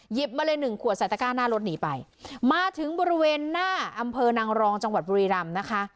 มาเลยหนึ่งขวดใส่ตะก้าหน้ารถหนีไปมาถึงบริเวณหน้าอำเภอนางรองจังหวัดบุรีรำนะคะ